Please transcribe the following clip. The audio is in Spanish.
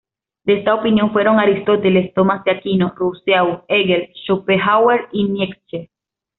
De esta opinión fueron Aristóteles, Tomás de Aquino, Rousseau, Hegel, Schopenhauer y Nietzsche.